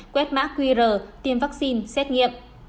quét mã qr tiêm vaccine xét nghiệm